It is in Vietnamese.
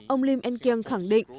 ông limeng kieng khẳng định